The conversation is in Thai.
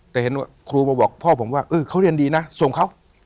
แต่เห็นว่าครูมาบอกพ่อผมว่าเออเขาเรียนดีนะส่งเขา